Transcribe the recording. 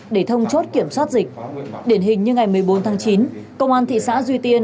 để thông chốt kiểm soát dịch điển hình như ngày một mươi bốn tháng chín công an thị xã duy tiên